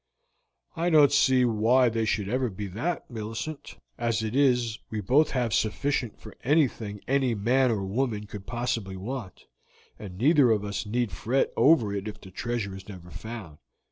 "I don't see why they should ever be that, Millicent. As it is we have both sufficient for anything any man or woman could reasonably want, and neither of us need fret over it if the treasure is never found.